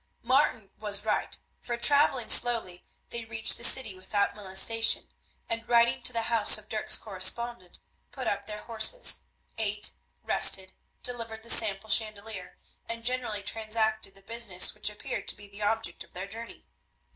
Martin was right, for travelling slowly they reached the city without molestation, and, riding to the house of Dirk's correspondent, put up their horses; ate, rested, delivered the sample chandelier, and generally transacted the business which appeared to be the object of their journey.